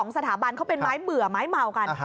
สถาบันเขาเป็นไม้เบื่อไม้เมากัน